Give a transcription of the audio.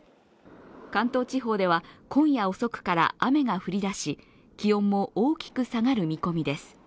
関東地方では、今夜遅くから雨が降りだし気温も大きく下がる見込みです。